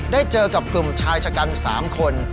ได้เจอกับกลุ่มชายชะกัน๓คน